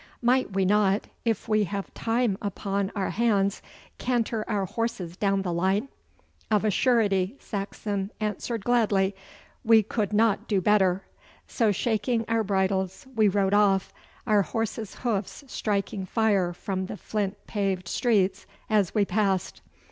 'Might we not, if we have time upon our hands, canter our horses down the line?' 'Of a surety,' Saxon answered gladly, 'we could not do better;' so shaking our bridles we rode off, our horses' hoofs striking fire from the flint paved streets as we passed.